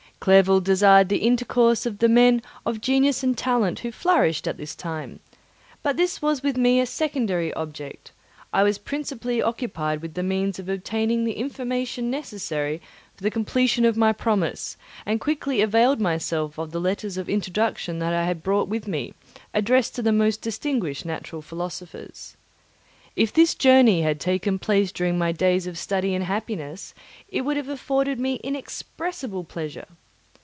Clerval desired the intercourse of the men of genius and talent who flourished at this time, but this was with me a secondary object; I was principally occupied with the means of obtaining the information necessary for the completion of my promise and quickly availed myself of the letters of introduction that I had brought with me, addressed to the most distinguished natural philosophers. If this journey had taken place during my days of study and happiness, it would have afforded me inexpressible pleasure.